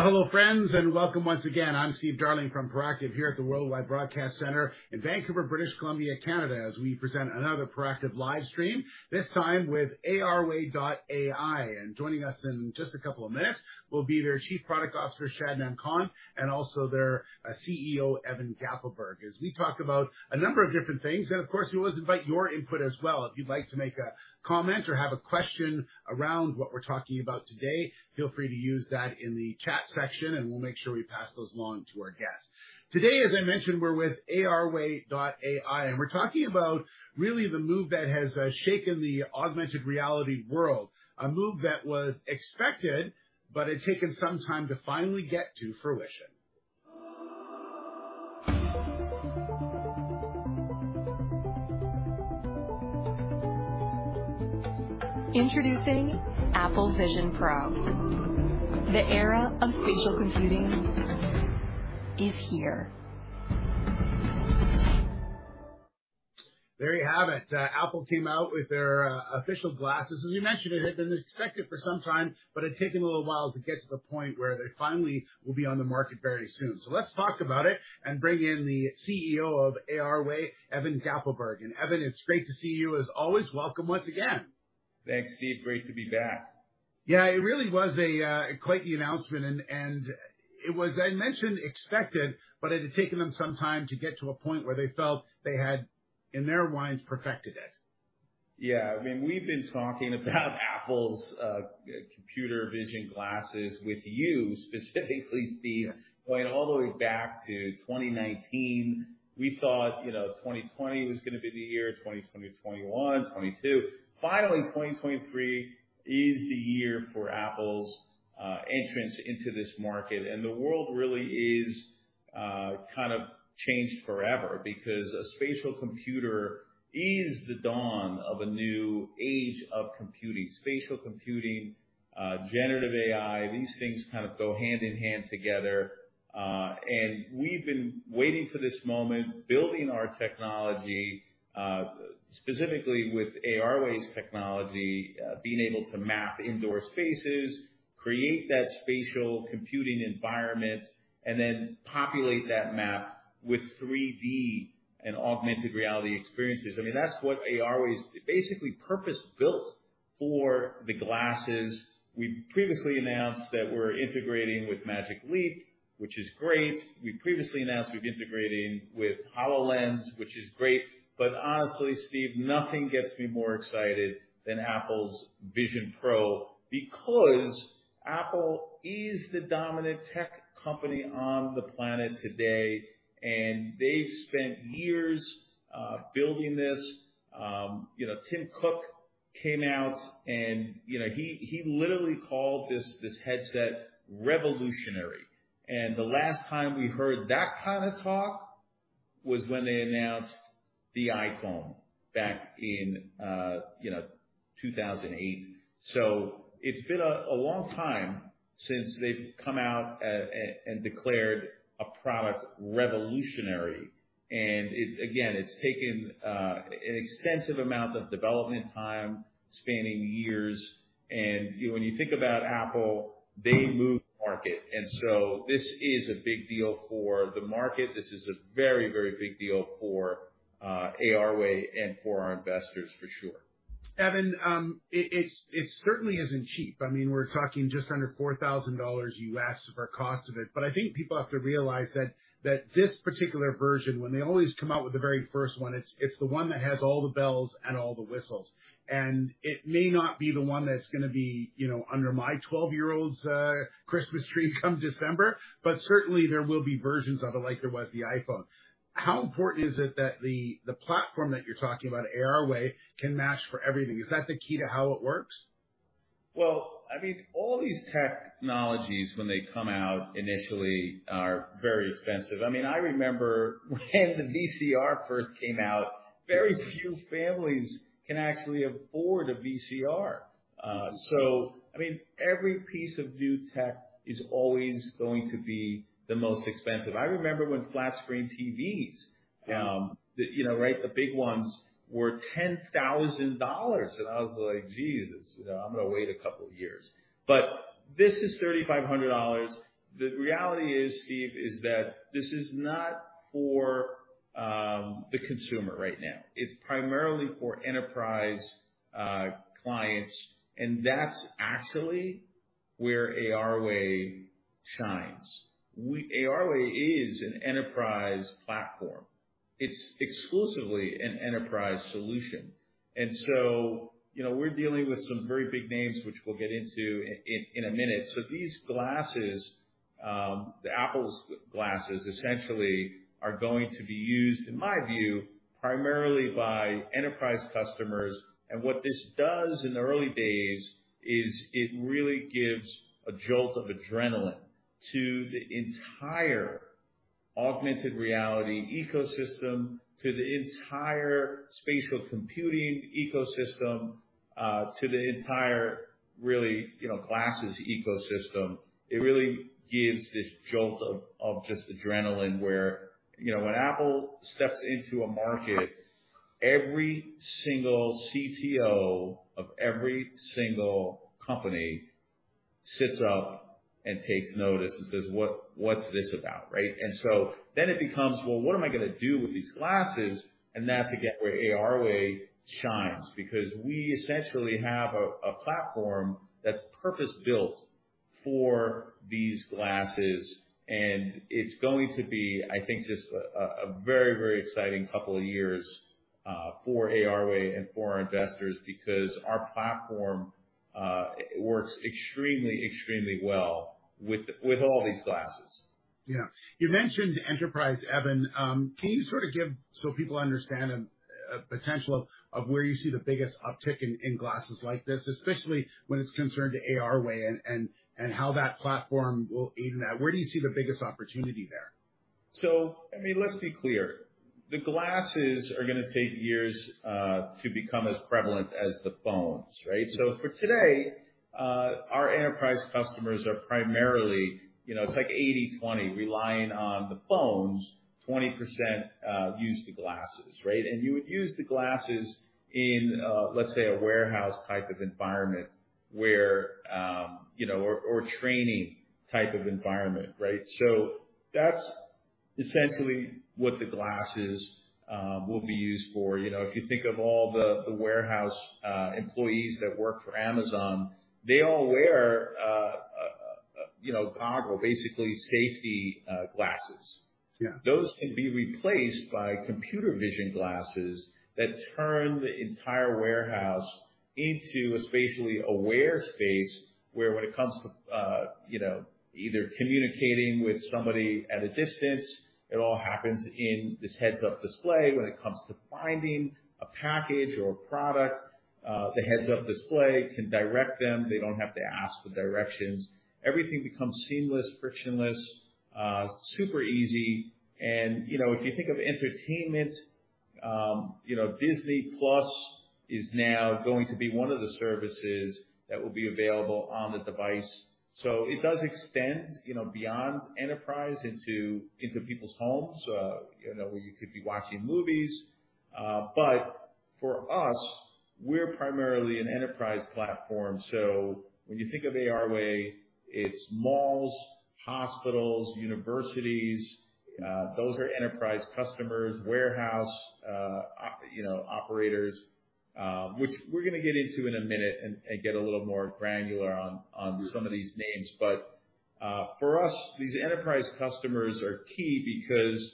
Hello, friends, and welcome once again. I'm Steve Darling from Proactive here at the Worldwide Broadcast Center in Vancouver, British Columbia, Canada, as we present another Proactive livestream, this time with ARway.ai. Joining us in just a couple of minutes will be their Chief Product Officer Shadnam Khan, and also their CEO Evan Gappelberg, as we talk about a number of different things. Of course, we always invite your input as well. If you'd like to make a comment or have a question around what we're talking about today, feel free to use that in the chat section, and we'll make sure we pass those along to our guests. Today, as I mentioned, we're with ARway.ai, and we're talking about really the move that has shaken the augmented reality world. A move that was expected, but had taken some time to finally get to fruition. Introducing Apple Vision Pro. The era of spatial computing is here. There you have it. Apple came out with their official glasses. As we mentioned, it had been expected for some time, but had taken a little while to get to the point where they finally will be on the market very soon. Let's talk about it and bring in the CEO of ARway, Evan Gappelberg. Evan, it's great to see you. As always, welcome once again. Thanks, Steve. Great to be back. Yeah, it really was a quite the announcement, and it was, I mentioned, expected, but it had taken them some time to get to a point where they felt they had, in their minds, perfected it. Yeah, I mean, we've been talking about Apple's computer vision glasses with you specifically, Steve, going all the way back to 2019. We thought, you know, 2020 was gonna be the year, 2020, 2021, 2022. Finally, 2023 is the year for Apple's entrance into this market, and the world really is kind of changed forever because a spatial computer is the dawn of a new age of computing. Spatial computing, generative AI, these things kind of go hand in hand together. We've been waiting for this moment, building our technology, specifically with ARway's technology, being able to map indoor spaces, create that spatial computing environment, and then populate that map with 3D and augmented reality experiences. I mean, that's what ARway is basically purpose-built for the glasses. We previously announced that we're integrating with Magic Leap, which is great. We previously announced we're integrating with HoloLens, which is great. Honestly, Steve, nothing gets me more excited than Apple's Vision Pro, because Apple is the dominant tech company on the planet today, and they've spent years building this. You know, Tim Cook came out, and, you know, he literally called this headset revolutionary. The last time we heard that kind of talk was when they announced the iPhone back in, you know, 2008. It's been a long time since they've come out and declared a product revolutionary. Again, it's taken an extensive amount of development time, spanning years. When you think about Apple, they move the market, this is a big deal for the market. This is a very, very big deal for ARway and for our investors, for sure. Evan, it certainly isn't cheap. I mean, we're talking just under $4,000 for cost of it. I think people have to realize that this particular version, when they always come out with the very first one, it's the one that has all the bells and all the whistles. It may not be the one that's gonna be, you know, under my 12-year-old's Christmas tree come December, but certainly there will be versions of it, like there was the iPhone. How important is it that the platform that you're talking about, ARway, can match for everything? Is that the key to how it works? Well, I mean, all these technologies, when they come out initially, are very expensive. I mean, I remember when the VCR first came out, very few families can actually afford a VCR. I mean every piece of new tech is always going to be the most expensive. I remember when flat screen TVs, you know, right, the big ones were $10,000, and I was like, "Jesus, you know, I'm gonna wait a couple years." This is $3,500. The reality is, Steve, is that this is not for the consumer right now. It's primarily for enterprise clients, and that's actually where ARway shines. ARway is an enterprise platform. It's exclusively an enterprise solution. You know, we're dealing with some very big names, which we'll get into in a minute. These glasses, the Apple's glasses, essentially are going to be used, in my view, primarily by enterprise customers. What this does in the early days is it really gives a jolt of adrenaline to the entire augmented reality ecosystem, to the entire spatial computing ecosystem, to the entire really, you know, glasses ecosystem. It really gives this jolt of just adrenaline. You know, when Apple steps into a market, every single CTO of every single company sits up and takes notice and says, "What's this about?" Right? Then it becomes: Well, what am I gonna do with these glasses? That's again, where ARway shines, because we essentially have a platform that's purpose-built for these glasses, and it's going to be, I think, just a very, very exciting couple of years for ARway and for our investors, because our platform works extremely well with all these glasses. Yeah. You mentioned enterprise, Evan. Can you sort of give, so people understand, a potential of where you see the biggest uptick in glasses like this, especially when it's concerned to ARway and how that platform will aid in that? Where do you see the biggest opportunity there? I mean, let's be clear. The glasses are gonna take years to become as prevalent as the phones, right? For today, our enterprise customers are primarily, you know, it's like 80/20, relying on the phones, 20% use the glasses, right? You would use the glasses in, let's say, a warehouse type of environment, where, you know, or training type of environment, right? That's essentially what the glasses will be used for. You know, if you think of all the warehouse employees that work for Amazon, they all wear, you know, goggle, basically safety glasses. Yeah. Those can be replaced by computer vision glasses that turn the entire warehouse into a spatially aware space, where when it comes to, you know, either communicating with somebody at a distance, it all happens in this heads-up display. When it comes to finding a package or a product, the heads-up display can direct them. They don't have to ask for directions. Everything becomes seamless, frictionless, super easy. If you think of entertainment, you know, Disney+ is now going to be one of the services that will be available on the device. It does extend, you know, beyond enterprise into people's homes, you know, where you could be watching movies. For us, we're primarily an enterprise platform, when you think of ARway, it's malls, hospitals, universities, those are enterprise customers. Warehouse, you know, operators, which we're gonna get into in a minute and get a little more granular on some of these names. For us, these enterprise customers are key because,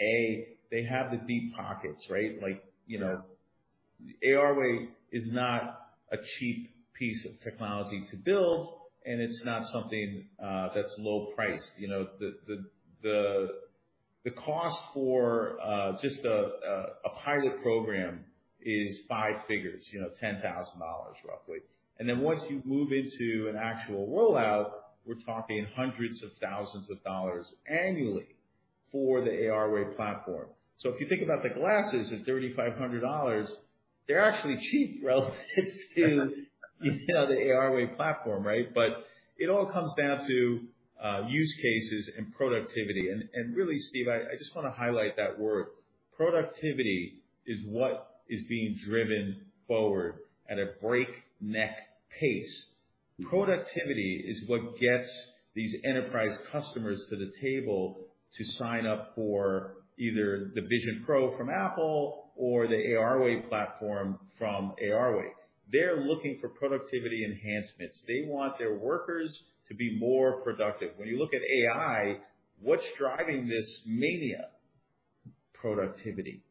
A, they have the deep pockets, right? Like, you know- Yeah. ARway is not a cheap piece of technology to build, it's not something that's low priced. You know, the cost for just a pilot program is five figures, you know, $10,000, roughly. Then once you move into an actual rollout, we're talking hundreds of thousands of dollars annually for the ARway platform. If you think about the glasses at $3,500, they're actually cheap relative to, you know, the ARway platform, right? It all comes down to use cases and productivity. Really, Steve, I just wanna highlight that word. Productivity is what is being driven forward at a breakneck pace. Productivity is what gets these enterprise customers to the table to sign up for either the Vision Pro from Apple or the ARway platform from ARway. They're looking for productivity enhancements. They want their workers to be more productive. When you look at AI, what's driving this mania? Productivity.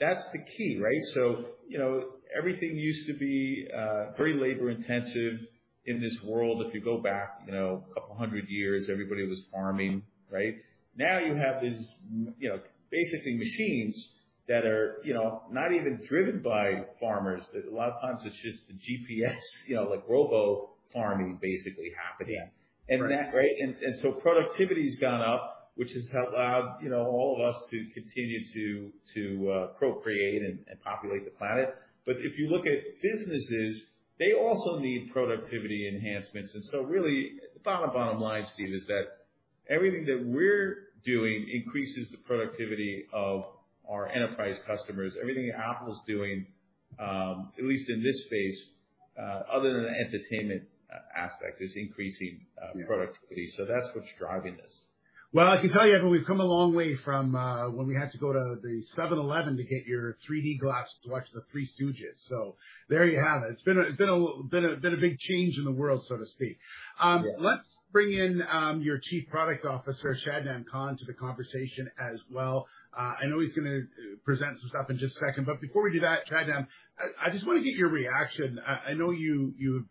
That's the key, right? You know, everything used to be very labor intensive in this world. If you go back, you know, 200 years, everybody was farming, right? Now, you have these, you know, basically machines that are, you know, not even driven by farmers. A lot of times it's just the GPS, you know, like robo farming basically happening. Yeah. That. Right? Productivity's gone up, which has allowed, you know, all of us to continue to procreate and populate the planet. If you look at businesses, they also need productivity enhancements. Really, the bottom line, Steve, is that everything that we're doing increases the productivity of our enterprise customers. Everything Apple's doing, at least in this phase, other than the entertainment aspect, is increasing productivity. Yeah. That's what's driving this. I can tell you, Evan, we've come a long way from, when we had to go to the 7-Eleven to get your 3D glasses to watch The Three Stooges. There you have it. It's been a big change in the world, so to speak. Yeah. Let's bring in, your Chief Product Officer, Shadnam Khan, to the conversation as well. I know he's gonna present some stuff in just a second, but before we do that, Shadnam, I just wanna get your reaction. I know you've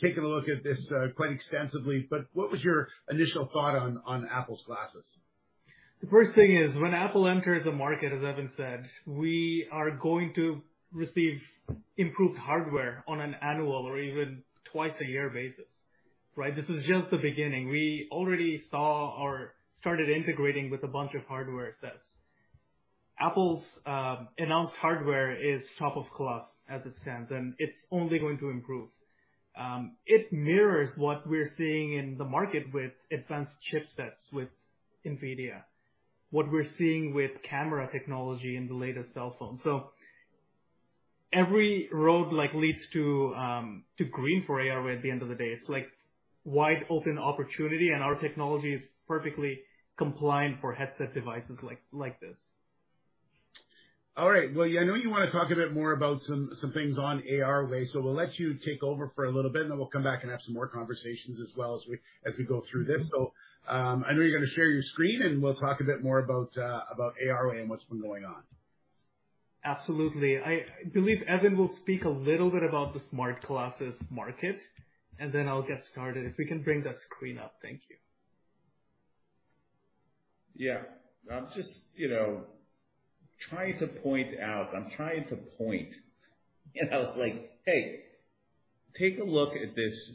taken a look at this, quite extensively, but what was your initial thought on Apple's glasses? The first thing is, when Apple enters a market, as Evan said, we are going to receive improved hardware on an annual or even twice-a-year basis, right? This is just the beginning. We already saw or started integrating with a bunch of hardware sets. Apple's announced hardware is top of class as it stands, and it's only going to improve. It mirrors what we're seeing in the market with advanced chipsets, with NVIDIA, what we're seeing with camera technology in the latest cell phones. Every road like, leads to green for ARway at the end of the day. It's like wide open opportunity, and our technology is perfectly compliant for headset devices like this. All right. Well, I know you wanna talk a bit more about some things on ARway. We'll let you take over for a little bit. We'll come back and have some more conversations as well as we go through this. I know you're gonna share your screen. We'll talk a bit more about ARway and what's been going on. Absolutely. I believe Evan will speak a little bit about the smart glasses market, then I'll get started. If we can bring that screen up. Thank you. Yeah. I'm just, you know, trying to point out, I'm trying to point, you know, like, hey, take a look at this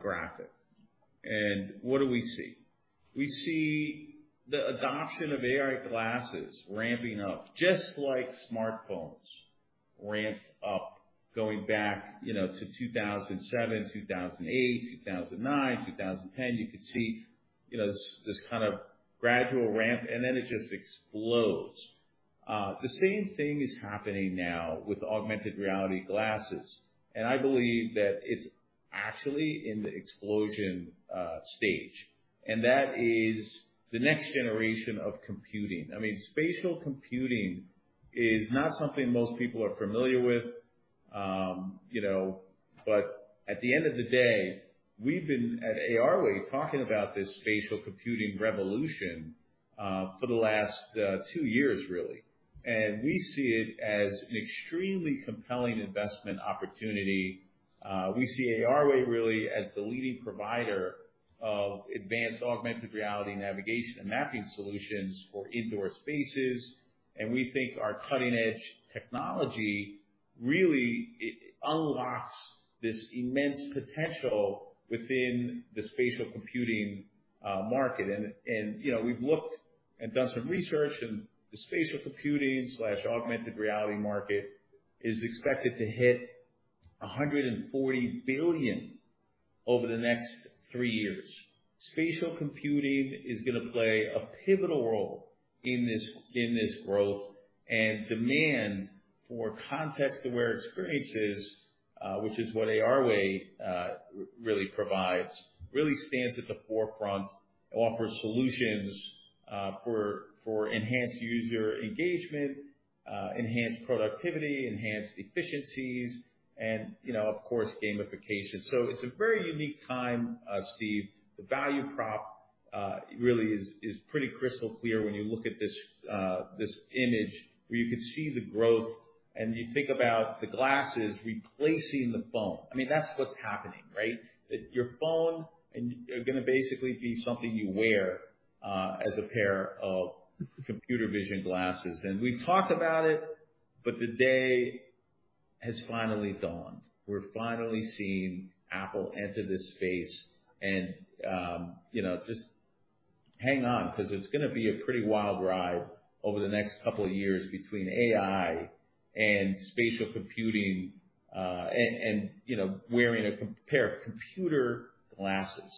graphic. What do we see? We see the adoption of AI glasses ramping up, just like smartphones ramped up, going back, you know, to 2007, 2008, 2009, 2010. You could see, you know, this kind of gradual ramp. Then it just explodes. The same thing is happening now with augmented reality glasses. I believe that it's actually in the explosion stage. That is the next generation of computing. I mean, spatial computing is not something most people are familiar with. You know, at the end of the day, we've been, at ARway, talking about this spatial computing revolution for the last two years, really. We see it as an extremely compelling investment opportunity. We see ARway really as the leading provider of advanced augmented reality, navigation, and mapping solutions for indoor spaces. We think our cutting-edge technology really it unlocks this immense potential within the spatial computing market. You know, we've looked and done some research, and the spatial computing/augmented reality market is expected to hit $140 billion over the next three years. Spatial computing is gonna play a pivotal role in this growth and demand for context-aware experiences, which is what ARway really provides, stands at the forefront and offers solutions for enhanced user engagement, enhanced productivity, enhanced efficiencies, and you know, of course, gamification. It's a very unique time, Steve. The value prop really is pretty crystal clear when you look at this image, where you can see the growth, and you think about the glasses replacing the phone. I mean, that's what's happening, right? That your phone are gonna basically be something you wear as a pair of computer vision glasses. We've talked about it, but the day has finally dawned. We're finally seeing Apple enter this space and, you know, just hang on, 'cause it's gonna be a pretty wild ride over the next couple of years between AI and spatial computing, and, you know, wearing a pair of computer glasses.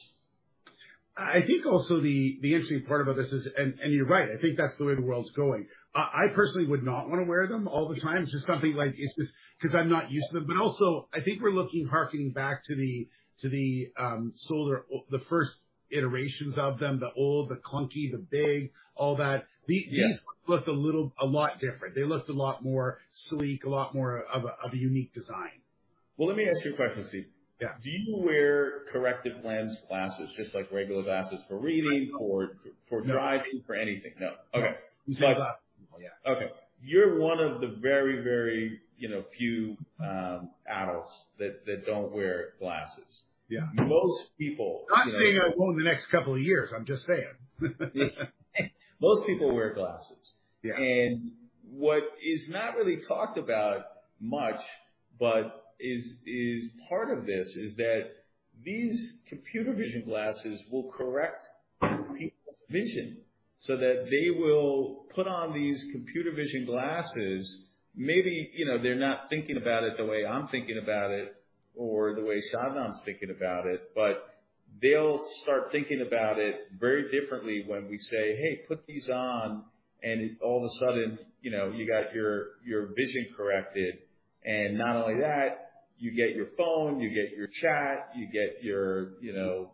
I think also the interesting part about this is. You're right, I think that's the way the world's going. I personally would not wanna wear them all the time, just something like, it's just 'cause I'm not used to them. Also, I think we're looking, harkening back to the cellular, the first iterations of them, the old, the clunky, the big, all that. Yeah. These look a little, a lot different. They looked a lot more sleek, a lot more of a unique design. Well, let me ask you a question, Steve. Yeah. Do you wear corrective lens glasses, just like regular glasses, for reading... No. or for driving? No. For anything? No. No. Okay. Sun glasses, yeah. Okay. You're one of the very, very, you know, few adults that don't wear glasses. Yeah. Most people, you know. Not saying I will in the next couple of years, I'm just saying. Most people wear glasses. Yeah. What is not really talked about much, but is part of this, is that these computer vision glasses will correct people's vision, so that they will put on these computer vision glasses. Maybe, you know, they're not thinking about it the way I'm thinking about it, or the way Shadnam's thinking about it, but they'll start thinking about it very differently when we say, "Hey, put these on," and all of a sudden, you know, you got your vision corrected. Not only that, you get your phone, you get your chat, you get your, you know,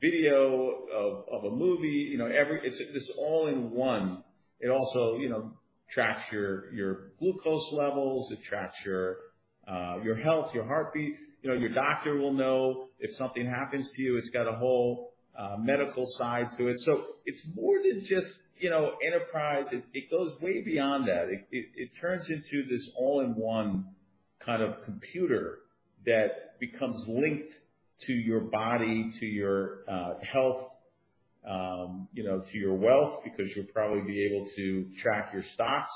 video of a movie, you know, every... It's, it's all in one. It also, you know, tracks your glucose levels, it tracks your health, your heartbeat. You know, your doctor will know if something happens to you. It's got a whole, medical side to it. It's more than just, you know, enterprise. It goes way beyond that. It turns into this all-in-one kind of computer that becomes linked to your body, to your health, you know, to your wealth, because you'll probably be able to track your stocks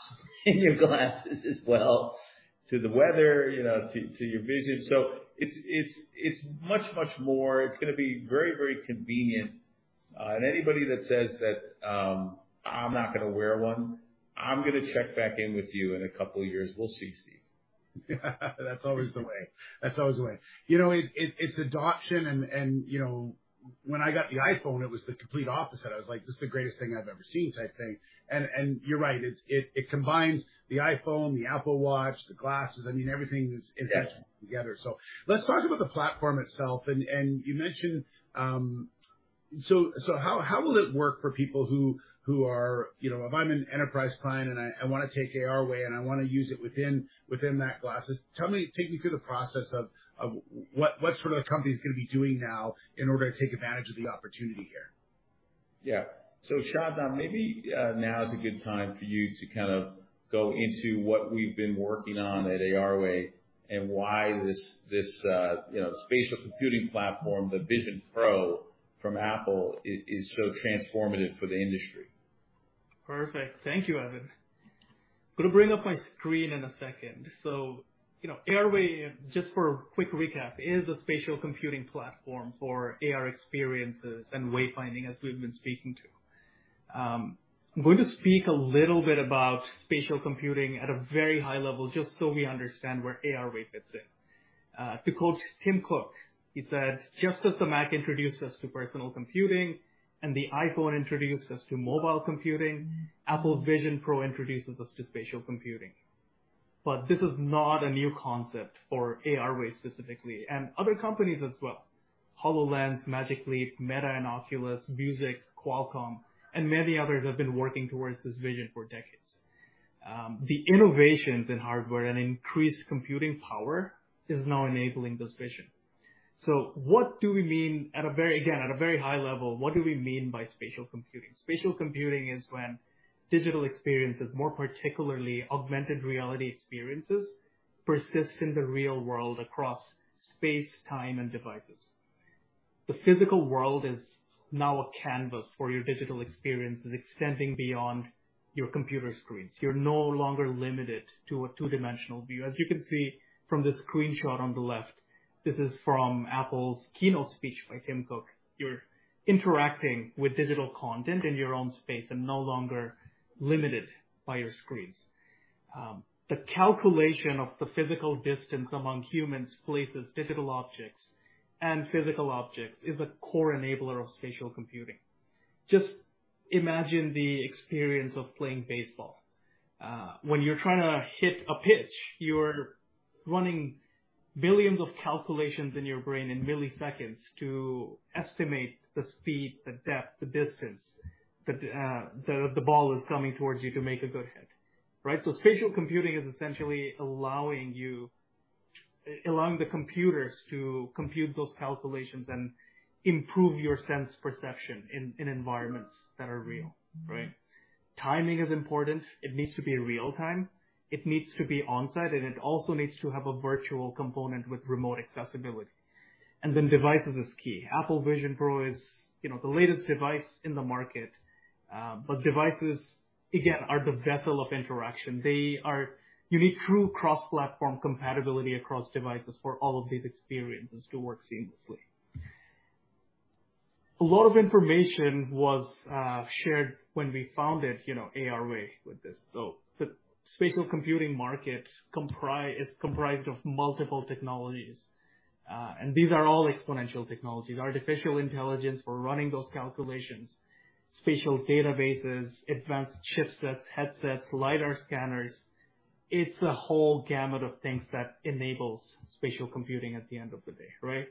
in your glasses as well, to the weather, you know, to your vision. It's much, much more. It's gonna be very, very convenient. Anybody that says that, I'm not gonna wear one, I'm gonna check back in with you in a couple of years. We'll see, Steve. That's always the way. That's always the way. You know, it's adoption, and, you know, when I got the iPhone, it was the complete opposite. I was like: This is the greatest thing I've ever seen, type thing. You're right, it combines the iPhone, the Apple Watch, the glasses. I mean, everything is- Yes integrated together. Let's talk about the platform itself, and you mentioned... How will it work for people who are, you know, if I'm an enterprise client and I wanna take ARway, and I wanna use it within that glasses, tell me, take me through the process of what sort of company is gonna be doing now in order to take advantage of the opportunity here? Shadnam, maybe now is a good time for you to kind of go into what we've been working on at ARway and why this, you know, spatial computing platform, the Vision Pro from Apple, is so transformative for the industry. Perfect. Thank you, Evan. Gonna bring up my screen in a second. You know, ARway, just for a quick recap, is a spatial computing platform for AR experiences and wayfinding, as we've been speaking to. I'm going to speak a little bit about spatial computing at a very high level, just so we understand where ARway fits in. To quote Tim Cook, he said, "Just as the Mac introduced us to personal computing, and the iPhone introduced us to mobile computing, Apple Vision Pro introduces us to spatial computing." This is not a new concept for ARway, specifically, and other companies as well. HoloLens, Magic Leap, Meta and Oculus, Vuzix, Qualcomm, and many others have been working towards this vision for decades. The innovations in hardware and increased computing power is now enabling this vision. What do we mean at a very high level, what do we mean by spatial computing? Spatial computing is when digital experiences, more particularly augmented reality experiences, persist in the real world across space, time, and devices. The physical world is now a canvas for your digital experiences, extending beyond your computer screens. You're no longer limited to a two-dimensional view. As you can see from the screenshot on the left, this is from Apple's keynote speech by Tim Cook. You're interacting with digital content in your own space and no longer limited by your screens. The calculation of the physical distance among humans, places, digital objects, and physical objects is a core enabler of spatial computing. Just imagine the experience of playing baseball. When you're trying to hit a pitch, you're running billions of calculations in your brain in milliseconds to estimate the speed, the depth, the distance, that the ball is coming towards you to make a good hit, right? Spatial computing is essentially allowing you, allowing the computers to compute those calculations and improve your sense perception in environments that are real, right? Timing is important. It needs to be real time, it needs to be on-site, it also needs to have a virtual component with remote accessibility. Devices is key. Apple Vision Pro is, you know, the latest device in the market, devices, again, are the vessel of interaction. You need true cross-platform compatibility across devices for all of these experiences to work seamlessly. A lot of information was shared when we founded, you know, ARway with this. The spatial computing market is comprised of multiple technologies, these are all exponential technologies. Artificial intelligence for running those calculations, spatial databases, advanced chipsets, headsets, LiDAR scanners. It's a whole gamut of things that enables spatial computing at the end of the day, right?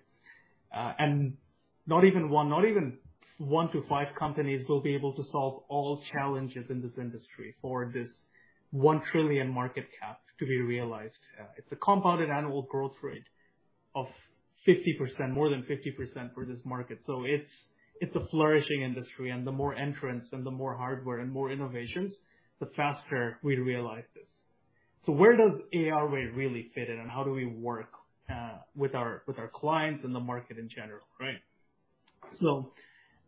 Not even one, not even one to five companies will be able to solve all challenges in this industry for this $1 trillion market cap to be realized. It's a compounded annual growth rate of 50%, more than 50% for this market. It's a flourishing industry, the more entrants and the more hardware and more innovations, the faster we realize this. Where does ARway really fit in, and how do we work with our clients and the market in general, right?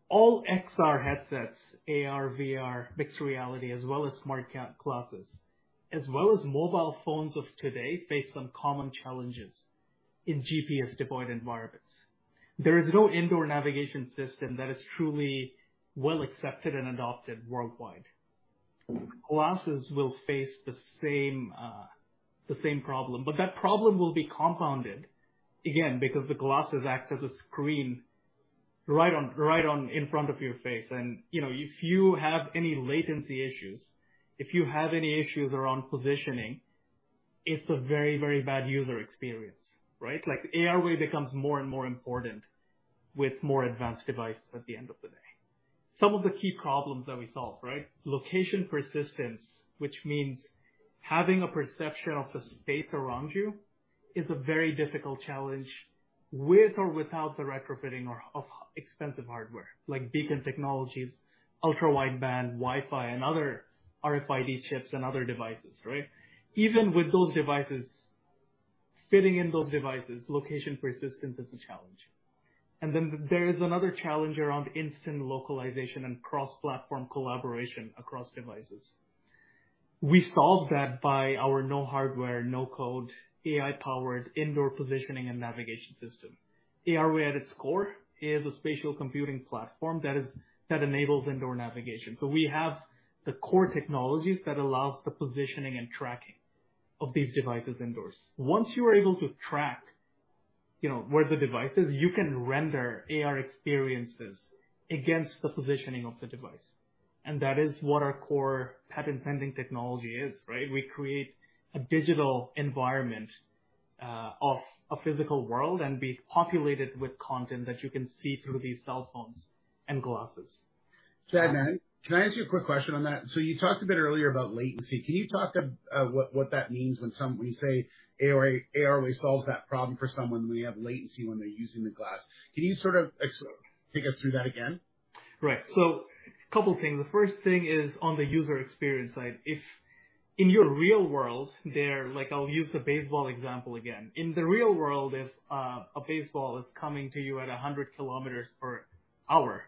All XR headsets, AR, VR, mixed reality, as well as smart glasses, as well as mobile phones of today, face some common challenges in GPS-devoid environments. There is no indoor navigation system that is truly well accepted and adopted worldwide. Glasses will face the same problem, but that problem will be compounded, again, because the glasses act as a screen right on in front of your face. You know, if you have any latency issues, if you have any issues around positioning, it's a very, very bad user experience, right? Like, ARway becomes more and more important with more advanced devices at the end of the day. Some of the key problems that we solve, right? Location persistence, which means having a perception of the space around you, is a very difficult challenge, with or without the retrofitting or of expensive hardware like beacon technologies, ultra-wideband, Wi-Fi, and other RFID chips and other devices, right? Even with those devices, location persistence is a challenge. There is another challenge around instant localization and cross-platform collaboration across devices. We solved that by our no hardware, no code, AI-powered indoor positioning and navigation system. ARway, at its core, is a spatial computing platform that enables indoor navigation. We have the core technologies that allows the positioning and tracking of these devices indoors. Once you are able to track, you know, where the device is, you can render AR experiences against the positioning of the device. That is what our core patent-pending technology is, right? We create a digital environment of a physical world and be populated with content that you can see through these cell phones and glasses. Shadnam, can I ask you a quick question on that? You talked a bit earlier about latency. Can you talk what that means when you say ARway solves that problem for someone when you have latency when they're using the glass. Can you sort of take us through that again? A couple of things. The first thing is on the user experience side, if in your real world, Like, I'll use the baseball example again. In the real world, if a baseball is coming to you at 100 km per hour,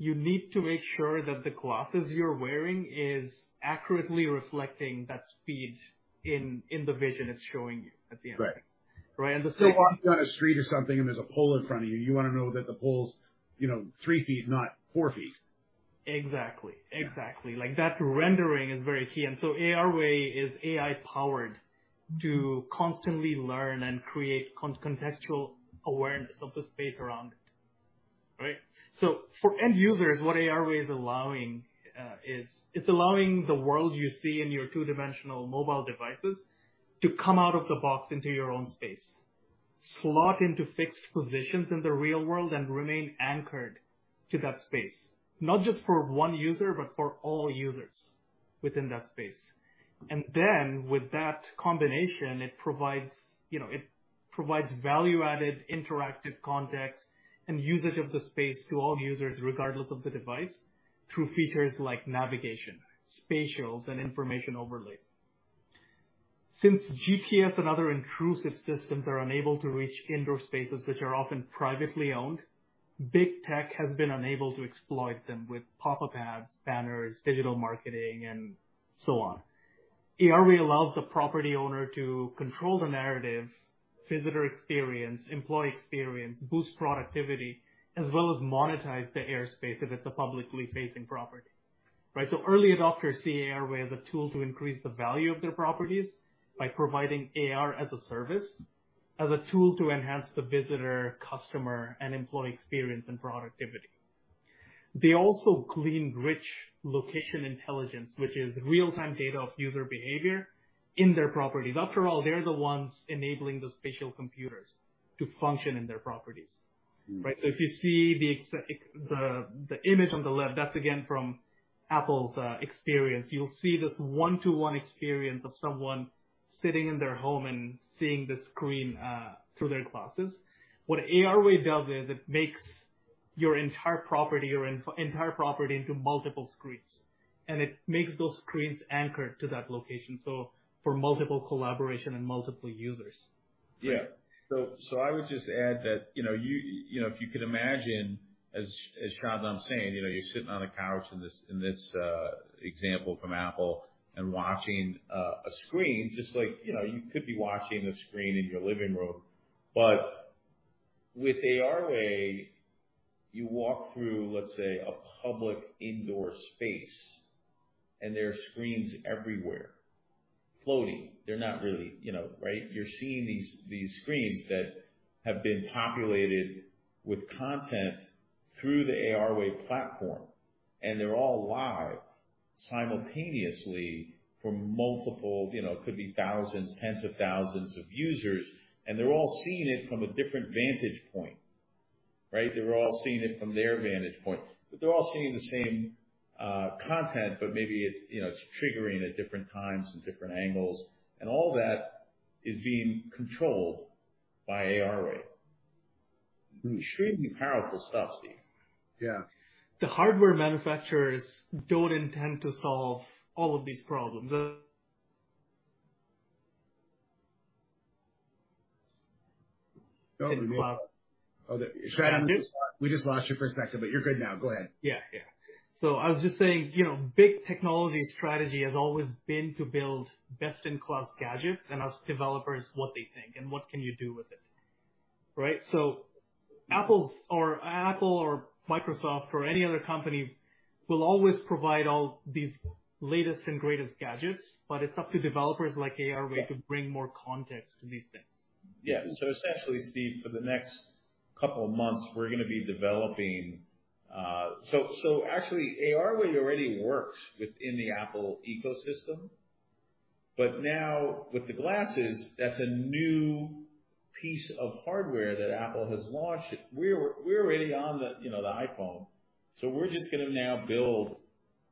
you need to make sure that the glasses you're wearing is accurately reflecting that speed in the vision it's showing you at the end. Right. Right, and the- Walking down a street or something, and there's a pole in front of you wanna know that the pole's, you know, 3 ft, not 4 ft. Exactly. Yeah. Exactly. Like, that rendering is very key, ARway is AI-powered to constantly learn and create contextual awareness of the space around it, right? For end users, what ARway is allowing, is it's allowing the world you see in your two-dimensional mobile devices to come out of the box into your own space, slot into fixed positions in the real world, and remain anchored to that space, not just for one user, but for all users within that space. With that combination, it provides, you know, it provides value-added, interactive context and usage of the space to all users, regardless of the device, through features like navigation, spatials, and information overlays. Since GPS and other intrusive systems are unable to reach indoor spaces, which are often privately owned, big tech has been unable to exploit them with pop-up ads, banners, digital marketing, and so on. ARway allows the property owner to control the narrative, visitor experience, employee experience, boost productivity, as well as monetize the airspace if it's a publicly facing property, right? Early adopters see ARway as a tool to increase the value of their properties by providing AR-as-a-Service, as a tool to enhance the visitor, customer, and employee experience and productivity. They also glean rich location intelligence, which is real-time data of user behavior in their properties. After all, they're the ones enabling the spatial computers to function in their properties. Mm. Right? If you see the image on the left, that's again from Apple's experience. You'll see this one-to-one experience of someone sitting in their home and seeing the screen through their glasses. What ARway does is it makes your entire property, your entire property into multiple screens, and it makes those screens anchored to that location, so for multiple collaboration and multiple users. I would just add that, you know, you know, if you could imagine, as Shadnam saying, you know, you're sitting on a couch in this example from Apple and watching a screen, just like, you know, you could be watching a screen in your living room. With ARway, you walk through, let's say, a public indoor space, there are screens everywhere, floating. They're not really, you know. Right? You're seeing these screens that have been populated with content through the ARway platform, they're all live simultaneously from multiple, you know, could be thousands, tens of thousands of users, they're all seeing it from a different vantage point, right? They're all seeing it from their vantage point, but they're all seeing the same, content, but maybe it, you know, it's triggering at different times and different angles. All that is being controlled by ARway. Mm. Extremely powerful stuff, Steve. Yeah. The hardware manufacturers don't intend to solve all of these problems. Oh, Shadnam, we just lost you for a second, but you're good now. Go ahead. Yeah, yeah. I was just saying, you know, big technology strategy has always been to build best-in-class gadgets and ask developers what they think and what can you do with it, right? Apple's or Apple or Microsoft or any other company will always provide all these latest and greatest gadgets, but it's up to developers like ARway to bring more context to these things. Essentially, Steve, for the next couple of months, we're gonna be developing. Actually, ARway already works within the Apple ecosystem, but now with the glasses, that's a new piece of hardware that Apple has launched. We're already on the, you know, the iPhone, so we're just gonna now build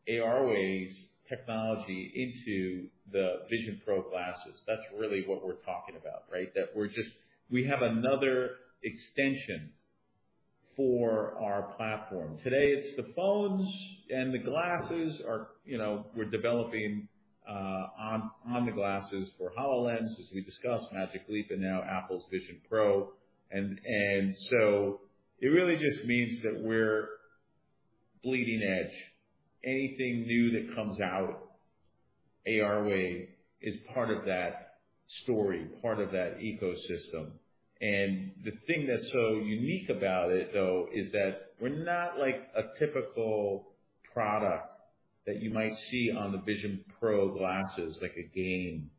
ARway's technology into the Vision Pro glasses. That's really what we're talking about, right? We have another extension for our platform. Today, it's the phones and the glasses are, you know, we're developing on the glasses for HoloLens, as we discussed, Magic Leap, and now Apple's Vision Pro. It really just means that we're bleeding edge. Anything new that comes out ARway is part of that story, part of that ecosystem. The thing that's so unique about it, though, is that we're not like a typical product that you might see on the Vision Pro glasses, like a game.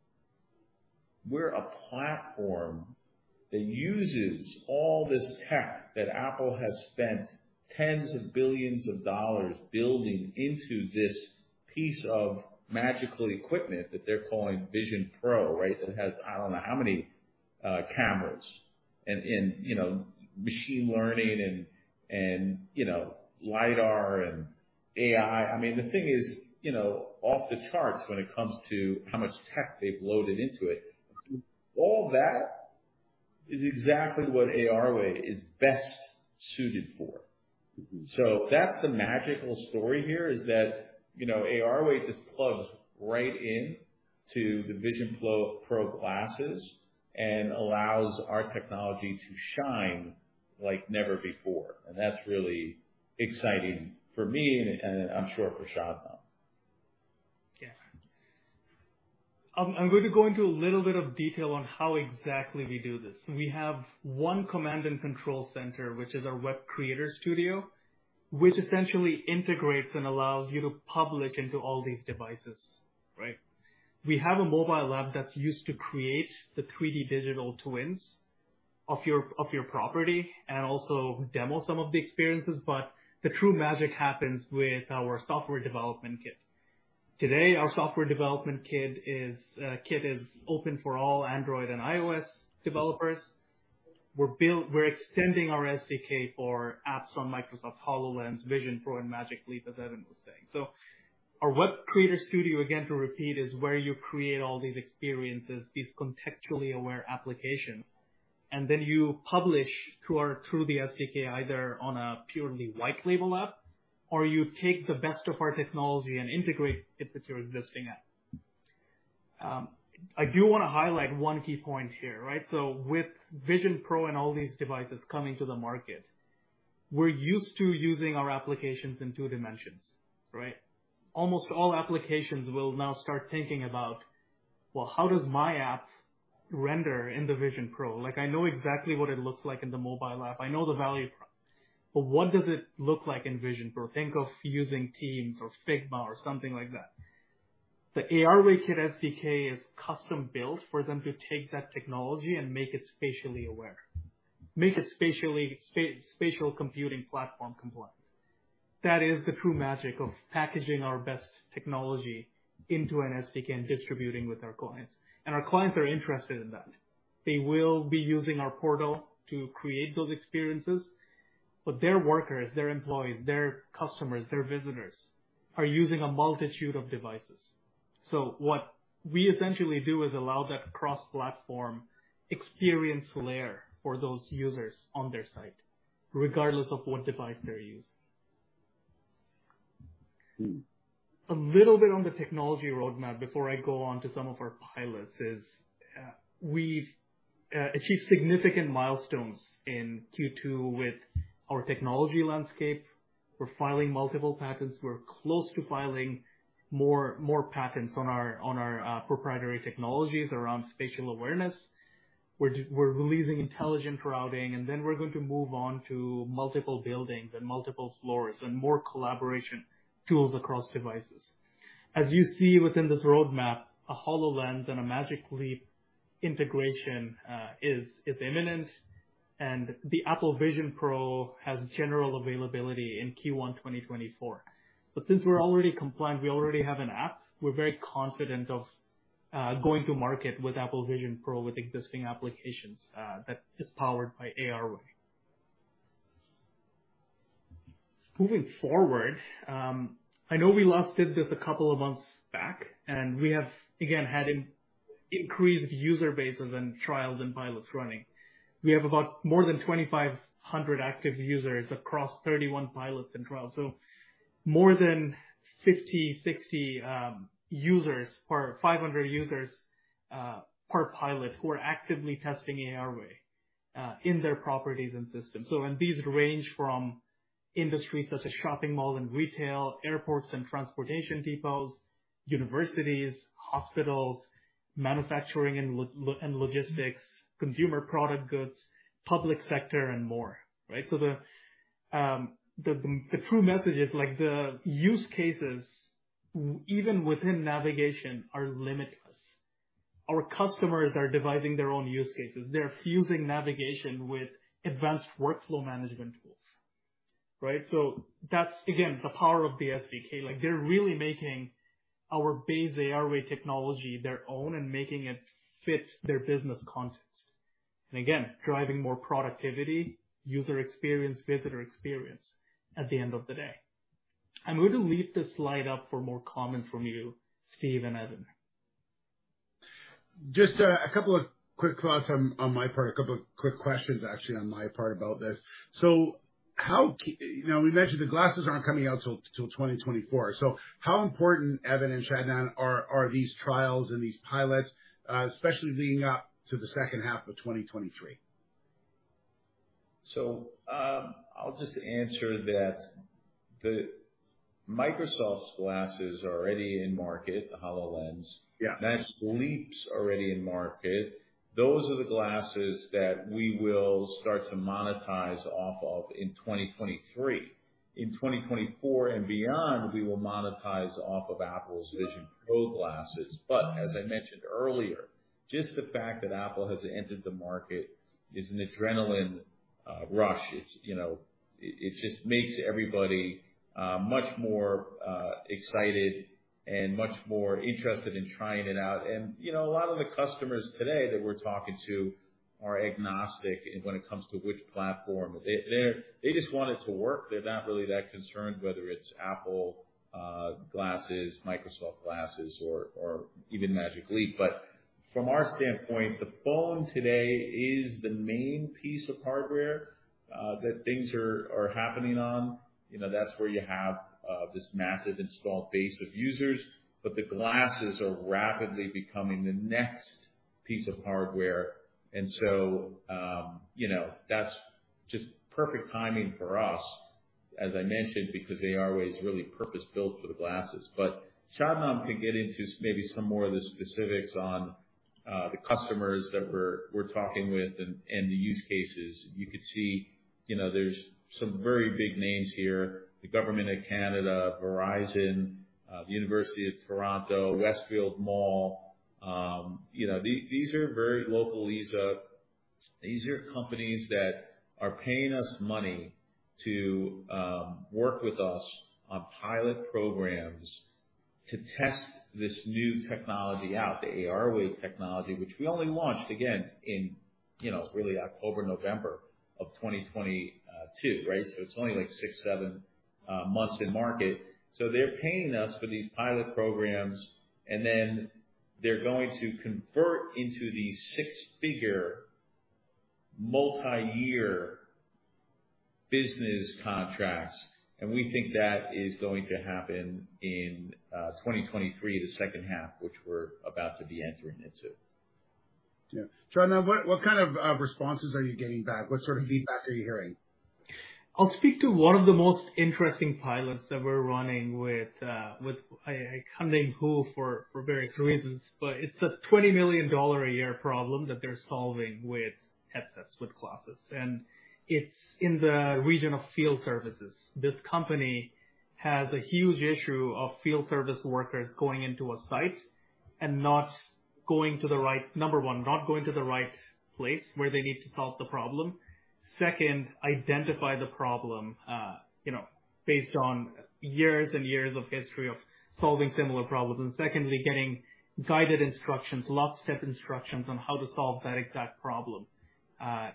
We're a platform that uses all this tech that Apple has spent tens of billions of dollars building into this piece of magical equipment that they're calling Vision Pro, right? That has, I don't know how many cameras and, you know, machine learning and, you know, LiDAR and AI. I mean, the thing is, you know, off the charts when it comes to how much tech they've loaded into it. All that is exactly what ARway is best suited for. Mm-hmm. That's the magical story here, is that, you know, ARway just plugs right in to the Vision Pro glasses and allows our technology to shine like never before. That's really exciting for me and I'm sure for Shadnam. Yeah. I'm going to go into a little bit of detail on how exactly we do this. We have one command and control center, which is our Web Creator Studio, which essentially integrates and allows you to publish into all these devices, right? We have a mobile app that's used to create the 3D digital twins of your, of your property and also demo some of the experiences, but the true magic happens with our software development kit. Today, our software development kit is open for all Android and iOS developers. We're extending our SDK for apps on Microsoft's HoloLens, Vision Pro, and Magic Leap, as Evan was saying. Our Web Creator Studio, again, to repeat, is where you create all these experiences, these contextually aware applications, and then you publish through the SDK, either on a purely white label app, or you take the best of our technology and integrate it with your existing app. I do wanna highlight one key point here, right? With Vision Pro and all these devices coming to the market, we're used to using our applications in two dimensions, right? Almost all applications will now start thinking about: Well, how does my app render in the Vision Pro? Like, I know exactly what it looks like in the mobile app. I know the value prop, but what does it look like in Vision Pro? Think of using Teams or Figma or something like that. The ARwayKit SDK is custom built for them to take that technology and make it spatially aware, make it spatial computing platform compliant. That is the true magic of packaging our best technology into an SDK and distributing with our clients. Our clients are interested in that. They will be using our portal to create those experiences, but their workers, their employees, their customers, their visitors, are using a multitude of devices. What we essentially do is allow that cross-platform experience layer for those users on their site, regardless of what device they're using. Hmm. A little bit on the technology roadmap before I go on to some of our pilots is, we've achieved significant milestones in Q2 with our technology landscape. We're filing multiple patents. We're close to filing more, more patents on our proprietary technologies around spatial awareness. We're releasing intelligent routing, and then we're going to move on to multiple buildings and multiple floors and more collaboration tools across devices. As you see within this roadmap, a HoloLens and a Magic Leap integration, is imminent, and the Apple Vision Pro has general availability in Q1 2024. Since we're already compliant, we already have an app, we're very confident of going to market with Apple Vision Pro with existing applications that is powered by ARway. Moving forward, I know we last did this a couple of months back, we have again, had an increased user base and then trials and pilots running. We have about more than 2,500 active users across 31 pilots and trials, so more than 50, 60 users or 500 users per pilot who are actively testing ARway in their properties and systems. These range from industries such as shopping, mall and retail, airports and transportation depots, universities, hospitals, manufacturing and logistics, consumer product goods, public sector and more, right? The, the true message is, like, the use cases, even within navigation, are limitless. Our customers are devising their own use cases. They're fusing navigation with advanced workflow management tools, right? That's, again, the power of the SDK. Like, they're really making our base ARway technology their own and making it fit their business context. Again, driving more productivity, user experience, visitor experience at the end of the day. I'm going to leave this slide up for more comments from you, Steve and Evan.... Just a couple of quick thoughts on my part, a couple of quick questions, actually, on my part about this. How you know, we mentioned the glasses aren't coming out till 2024. How important, Evan and Shadnam, are these trials and these pilots, especially leading up to the second half of 2023? I'll just answer that the Microsoft's glasses are already in market, the HoloLens. Yeah. Magic Leap's already in market. Those are the glasses that we will start to monetize off of in 2023. In 2024 and beyond, we will monetize off of Apple's Vision Pro glasses. as I mentioned earlier, just the fact that Apple has entered the market is an adrenaline rush. It's, you know, it just makes everybody much more excited and much more interested in trying it out. you know, a lot of the customers today that we're talking to are agnostic in when it comes to which platform. They just want it to work. They're not really that concerned whether it's Apple glasses, Microsoft glasses, or even Magic Leap. from our standpoint, the phone today is the main piece of hardware that things are happening on. You know, that's where you have this massive installed base of users, but the glasses are rapidly becoming the next piece of hardware. You know, that's just perfect timing for us, as I mentioned, because ARway is really purpose-built for the glasses. Shadnam can get into maybe some more of the specifics on the customers that we're talking with and the use cases. You could see, you know, there's some very big names here: the Government of Canada, Verizon, the University of Toronto, Westfield Mall. You know, these are very local. These are companies that are paying us money to work with us on pilot programs to test this new technology out, the ARway technology, which we only launched again in, you know, really October, November of 2022, right? It's only like six, seven months in market. They're paying us for these pilot programs, and then they're going to convert into these six-figure, multi-year business contracts, and we think that is going to happen in 2023, the second half, which we're about to be entering into. Yeah. Shadnam, what kind of responses are you getting back? What sort of feedback are you hearing? I'll speak to one of the most interesting pilots that we're running with a, I can't name who for various reasons, but it's a $20 million a year problem that they're solving with headsets, with glasses, and it's in the region of field services. This company has a huge issue of field service workers going into a site and number one, not going to the right place where they need to solve the problem. Second, identify the problem, you know, based on years and years of history of solving similar problems. Secondly, getting guided instructions, lots of step instructions on how to solve that exact problem,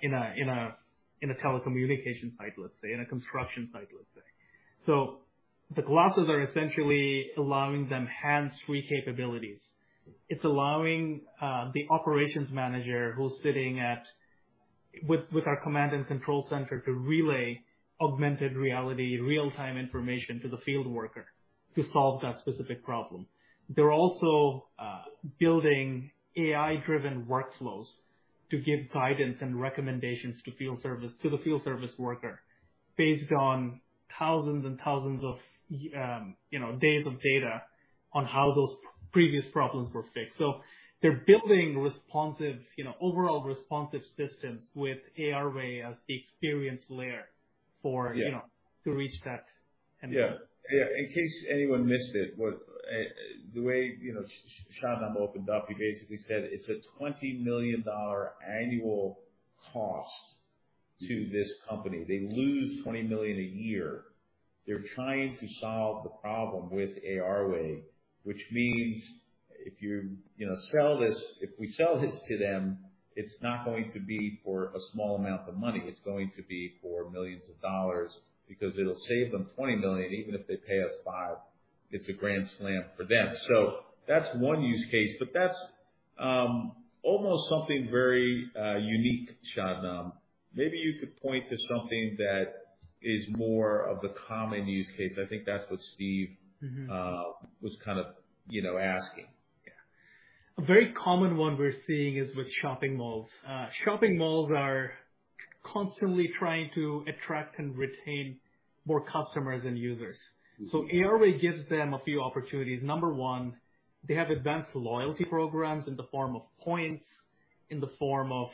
in a telecommunication site, let's say, in a construction site, let's say. The glasses are essentially allowing them hands-free capabilities. It's allowing the operations manager who's sitting with our command and control center to relay augmented reality, real-time information to the field worker to solve that specific problem. They're also building AI-driven workflows to give guidance and recommendations to the field service worker, based on thousands and thousands of you know, days of data on how those previous problems were fixed. They're building responsive, you know, overall responsive systems with ARway as the experience layer for. Yeah. For you know, to reach that end goal. Yeah. In case anyone missed it, what, you know, Shadnam opened up, he basically said it's a $20 million annual cost to this company. They lose $20 million a year. They're trying to solve the problem with ARway, which means if you know, sell this, if we sell this to them, it's not going to be for a small amount of money, it's going to be for millions of dollars because it'll save them $20 million, even if they pay us $5 million. It's a grand slam for them. That's one use case, but that's almost something very unique, Shadnam. Maybe you could point to something that is more of the common use case. I think that's what Steve- Mm-hmm. Was kind of, you know, asking. Yeah. A very common one we're seeing is with shopping malls. Shopping malls are constantly trying to attract and retain more customers and users. Mm-hmm. ARway gives them a few opportunities. Number one, they have advanced loyalty programs in the form of points, in the form of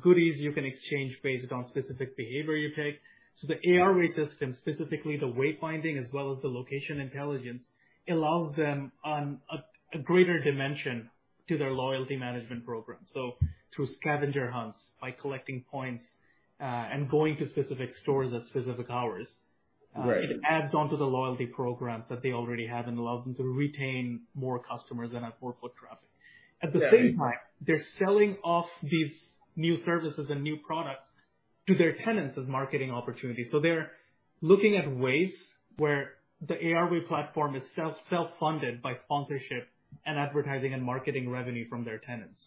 goodies you can exchange based on specific behavior you take. The ARway system, specifically the wayfinding as well as the location intelligence, allows them on a greater dimension to their loyalty management program. Through scavenger hunts, by collecting points, and going to specific stores at specific hours. Right. It adds on to the loyalty programs that they already have and allows them to retain more customers and have more foot traffic. Yeah. At the same time, they're selling off these new services and new products. to their tenants as marketing opportunities. They're looking at ways where the ARway platform is self-funded by sponsorship and advertising and marketing revenue from their tenants.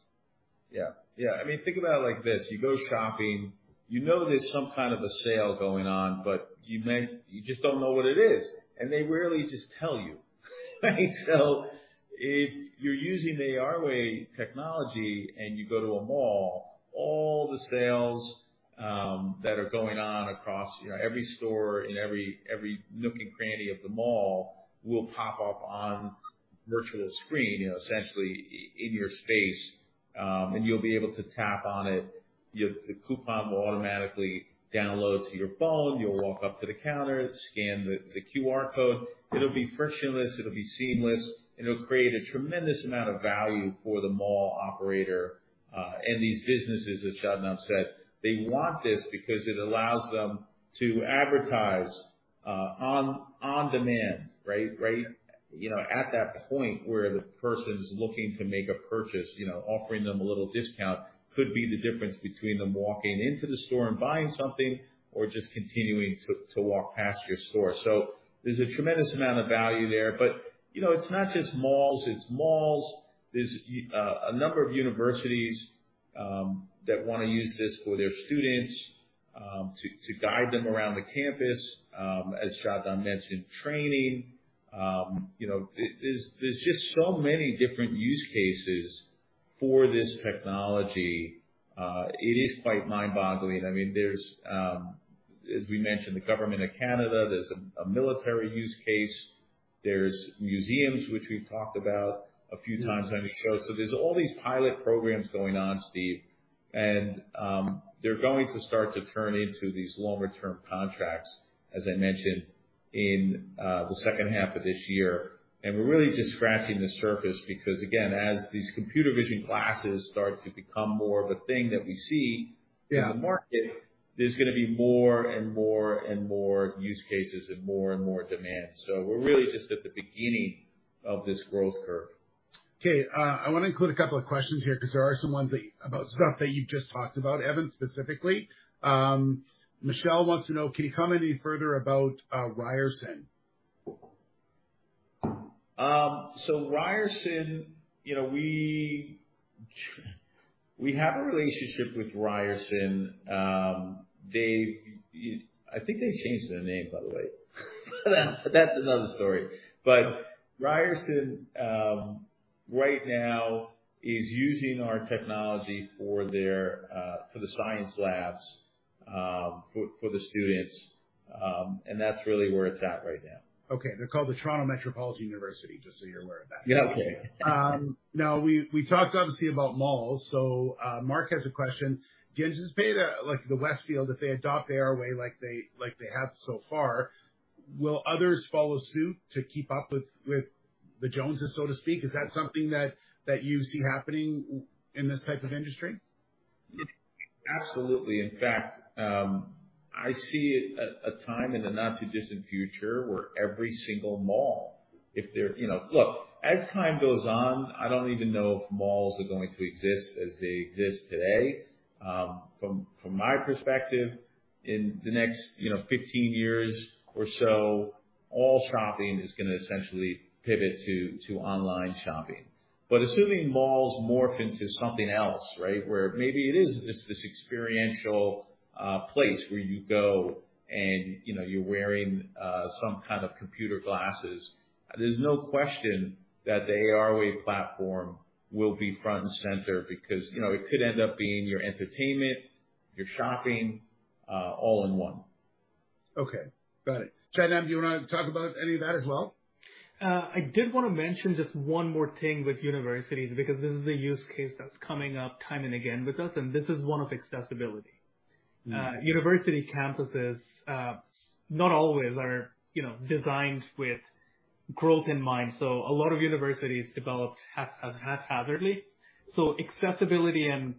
Yeah. Yeah. I mean, think about it like this: You go shopping, you know there's some kind of a sale going on, but you just don't know what it is, and they rarely just tell you. If you're using the ARway technology and you go to a mall, all the sales that are going on across, you know, every store and every nook and cranny of the mall will pop up on virtual screen, you know, essentially in your space. You'll be able to tap on it. The coupon will automatically download to your phone. You'll walk up to the counter, scan the QR code. It'll be frictionless, it'll be seamless, and it'll create a tremendous amount of value for the mall operator and these businesses, as Shadnam said. They want this because it allows them to advertise on demand, right? You know, at that point where the person's looking to make a purchase, you know, offering them a little discount could be the difference between them walking into the store and buying something or just continuing to walk past your store. There's a tremendous amount of value there. You know, it's not just malls, it's malls, there's a number of universities that wanna use this for their students to guide them around the campus. As Shadnam mentioned, training. You know, there's just so many different use cases for this technology, it is quite mind-boggling. I mean, there's, as we mentioned, the Government of Canada, there's a military use case, there's museums, which we've talked about a few times on the show. There's all these pilot programs going on, Steve, and they're going to start to turn into these longer term contracts, as I mentioned, in the second half of this year. We're really just scratching the surface because again, as these computer vision glasses start to become more of a thing that we see. Yeah. in the market, there's gonna be more and more and more use cases and more and more demand. We're really just at the beginning of this growth curve. Okay, I wanna include a couple of questions here, 'cause there are some ones that, about stuff that you just talked about, Evan, specifically. Michelle wants to know: Can you comment any further about Ryerson? Ryerson, you know, we have a relationship with Ryerson. They, I think they changed their name, by the way, that's another story. Ryerson, right now is using our technology for their for the science labs, for the students. That's really where it's at right now. Okay. They're called the Toronto Metropolitan University, just so you're aware of that. Yeah. Okay. Now, we talked obviously about malls, Mark has a question: Do you guys just pay like the Westfield, if they adopt ARway like they have so far, will others follow suit to keep up with the Joneses, so to speak? Is that something that you see happening in this type of industry? Absolutely. In fact, I see a time in the not-too-distant future where every single mall, if they're, you know, Look, as time goes on, I don't even know if malls are going to exist as they exist today. From my perspective, in the next, you know, 15 years or so, all shopping is gonna essentially pivot to online shopping. Assuming malls morph into something else, right? Where maybe it is this experiential place where you go and, you know, you're wearing some kind of computer glasses, there's no question that the ARway platform will be front and center because, you know, it could end up being your entertainment, your shopping, all in one. Okay, got it. Shadnam, do you want to talk about any of that as well? I did wanna mention just one more thing with universities, because this is a use case that's coming up time and again with us, and this is one of accessibility. Mm. University campuses, not always are, you know, designed with growth in mind, so a lot of universities developed haphazardly. Accessibility and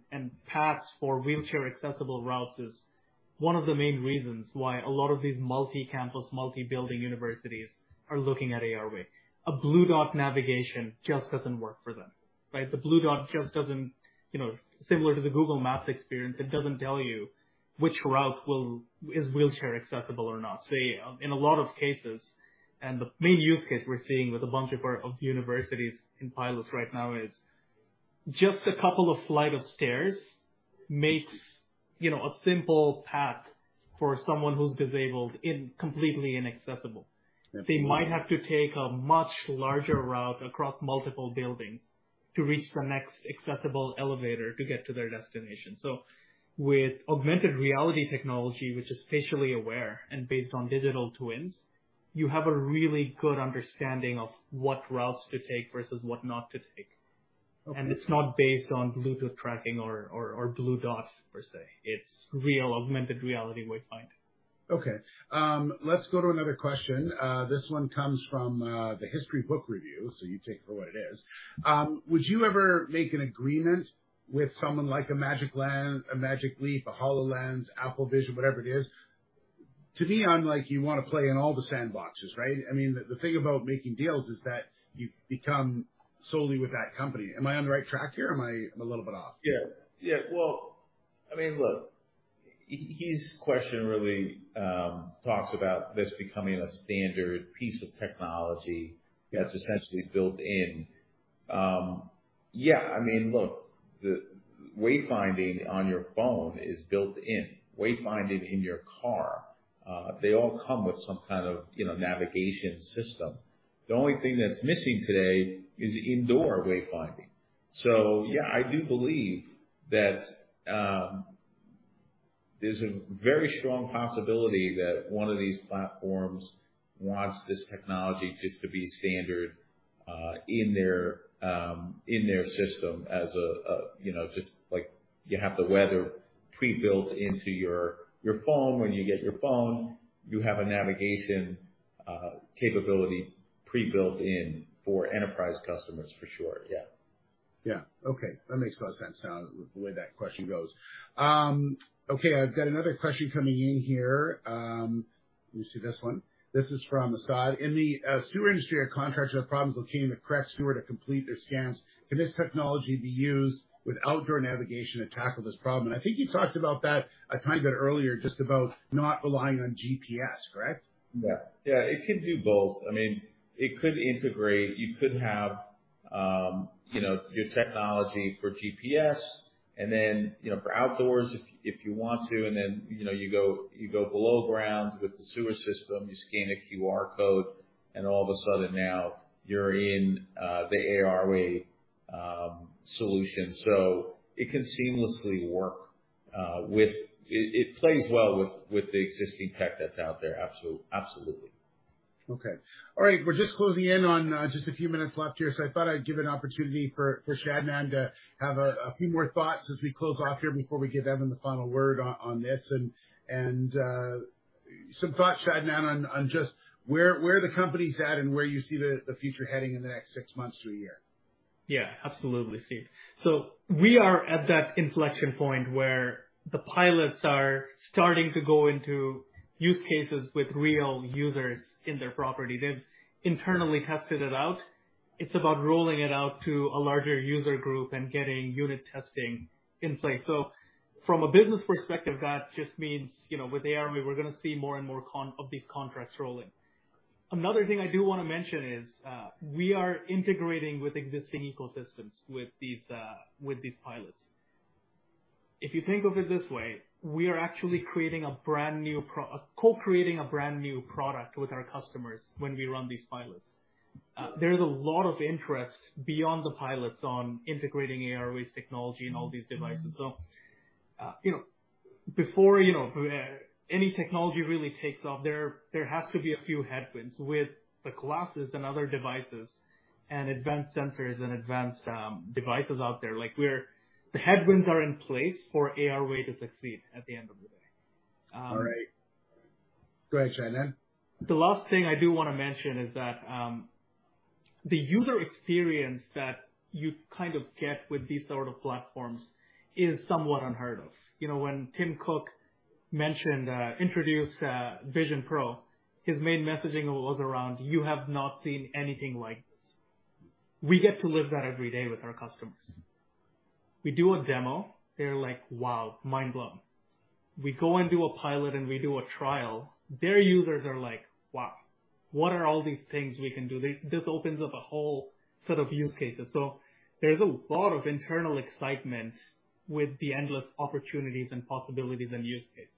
paths for wheelchair accessible routes is one of the main reasons why a lot of these multi-campus, multi-building universities are looking at ARway. A blue dot navigation just doesn't work for them, right? The blue dot just doesn't. You know, similar to the Google Maps experience, it doesn't tell you which route is wheelchair accessible or not. In a lot of cases, and the main use case we're seeing with a bunch of our universities in pilots right now, is just a couple of flight of stairs makes, you know, a simple path for someone who's disabled completely inaccessible. Absolutely. They might have to take a much larger route across multiple buildings to reach the next accessible elevator to get to their destination. With augmented reality technology, which is spatially aware and based on digital twins, you have a really good understanding of what routes to take versus what not to take. Okay. It's not based on Bluetooth tracking or blue dots per se. It's real augmented reality wayfinding. Okay. Let's go to another question. This one comes from the History Book Review, so you take it for what it is. Would you ever make an agreement with someone like a Magic Leap, a HoloLens, Apple Vision, whatever it is? To me, I'm like, you wanna play in all the sandboxes, right? I mean, the thing about making deals is that you become solely with that company. Am I on the right track here, or am I a little bit off? Yeah. Yeah, well, I mean, look, his question really talks about this becoming a standard piece of technology. Yeah. That's essentially built in. Yeah, I mean, look, the wayfinding on your phone is built in. Wayfinding in your car, they all come with some kind of, you know, navigation system. The only thing that's missing today is indoor wayfinding. Yeah, I do believe that there's a very strong possibility that one of these platforms wants this technology just to be standard in their system as, you know, just like you have the weather pre-built into your phone when you get your phone, you have a navigation capability pre-built in for enterprise customers for sure. Yeah. Yeah. Okay, that makes a lot of sense now, the way that question goes. Okay, I've got another question coming in here. Let me see this one. This is from Assad: In the sewer industry, our contractors have problems locating the correct sewer to complete their scans. Can this technology be used with outdoor navigation to tackle this problem? I think you talked about that a tiny bit earlier, just about not relying on GPS, correct? Yeah. Yeah, it can do both. I mean, it could integrate. You could have, you know, your technology for GPS and then, you know, for outdoors if you want to, and then, you know, you go below ground with the sewer system, you scan a QR code, and all of a sudden now you're in the ARway solution. It can seamlessly work, it plays well with the existing tech that's out there. Absolutely, absolutely. Okay. All right, we're just closing in on just a few minutes left here, so I thought I'd give an opportunity for Shadman to have a few more thoughts as we close off here before we give Evan the final word on this. Some thoughts, Shadman, on just where are the company's at and where you see the future heading in the next six months to a year? Yeah, absolutely, Steve. We are at that inflection point where the pilots are starting to go into use cases with real users in their property. They've internally tested it out. It's about rolling it out to a larger user group and getting unit testing in place. From a business perspective, that just means, you know, with ARway, we're gonna see more and more of these contracts rolling. Another thing I do wanna mention is, we are integrating with existing ecosystems with these pilots. If you think of it this way, we are actually co-creating a brand new product with our customers when we run these pilots. There is a lot of interest beyond the pilots on integrating ARway's technology in all these devices. You know, before, you know, any technology really takes off, there has to be a few headwinds. With the glasses and other devices and advanced sensors and advanced devices out there, like the headwinds are in place for ARway to succeed at the end of the day. All right. Go ahead, Shadman. The last thing I do wanna mention is that the user experience that you kind of get with these sort of platforms is somewhat unheard of. You know, when Tim Cook mentioned, introduced Vision Pro, his main messaging was around: You have not seen anything like this. We get to live that every day with our customers. We do a demo, they're like, "Wow!" Mind blown. We go and do a pilot, and we do a trial, their users are like, "Wow, what are all these things we can do?" This opens up a whole set of use cases. There's a lot of internal excitement with the endless opportunities and possibilities and use cases.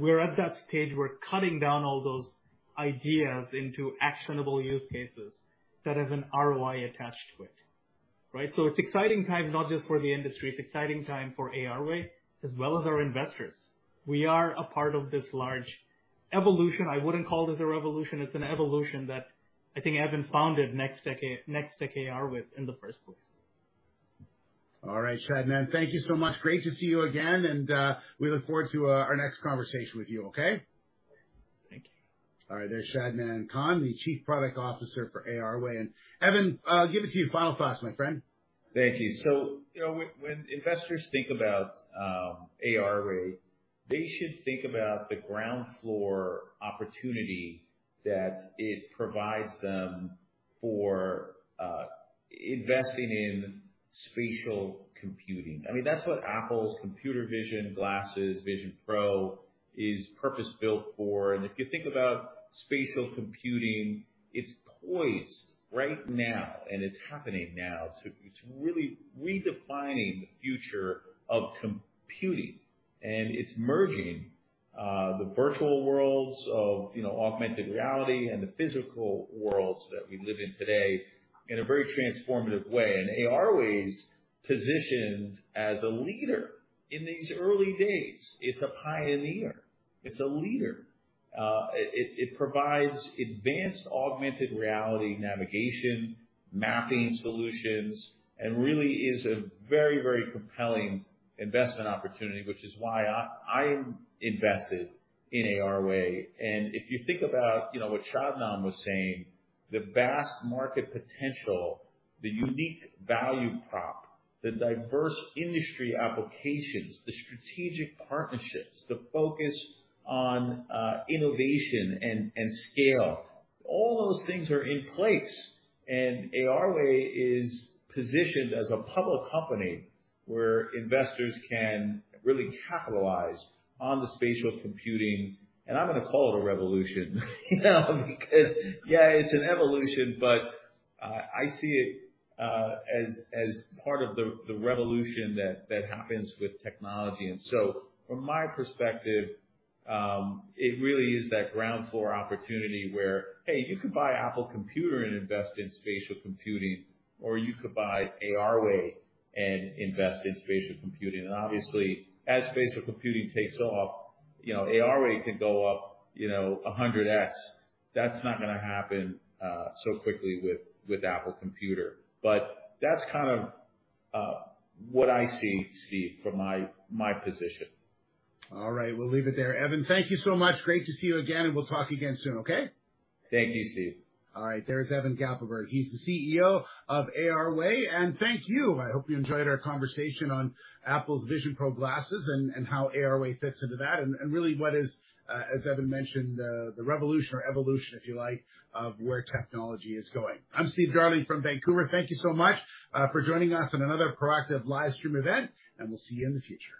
We're at that stage, we're cutting down all those ideas into actionable use cases that have an ROI attached to it, right? It's exciting time, not just for the industry, it's exciting time for ARway as well as our investors. We are a part of this large evolution. I wouldn't call this a revolution. It's an evolution that I think Evan founded Nextech3D.AI with in the first place. All right, Shadman, thank you so much. Great to see you again. We look forward to our next conversation with you, okay? Thank you. All right, there's Shadnam Khan, the Chief Product Officer for ARway. Evan, I'll give it to you. Final thoughts, my friend. Thank you. You know, when investors think about ARway, they should think about the ground floor opportunity that it provides them for investing in spatial computing. I mean, that's what Apple's computer vision glasses, Vision Pro, is purpose-built for. If you think about spatial computing, it's poised right now, and it's happening now it's really redefining the future of computing. It's merging, the virtual worlds of, you know, augmented reality and the physical worlds that we live in today in a very transformative way. ARway's positioned as a leader in these early days. It's a pioneer, it's a leader. It provides advanced augmented reality, navigation, mapping solutions, and really is a very, very compelling investment opportunity, which is why I am invested in ARway. If you think about, you know, what Shadman was saying, the vast market potential, the unique value prop, the diverse industry applications, the strategic partnerships, the focus on innovation and scale, all those things are in place. ARway is positioned as a public company where investors can really capitalize on the spatial computing, and I'm gonna call it a revolution, you know, because, yeah, it's an evolution, but I see it as part of the revolution that happens with technology. From my perspective, it really is that ground floor opportunity where, hey, you could buy Apple and invest in spatial computing, or you could buy ARway and invest in spatial computing. Obviously, as spatial computing takes off, you know, ARway could go up, you know, 100x. That's not gonna happen, so quickly with Apple. That's kind of, what I see, Steve, from my position. All right, we'll leave it there. Evan, thank you so much. Great to see you again, and we'll talk again soon, okay? Thank you, Steve. All right, there's Evan Gappelberg. He's the CEO of ARway. Thank you. I hope you enjoyed our conversation on Apple's Vision Pro glasses and how ARway fits into that, and really what is, as Evan mentioned, the revolution or evolution, if you like, of where technology is going. I'm Steve Darling from Vancouver. Thank you so much for joining us on another Proactive live stream event. We'll see you in the future.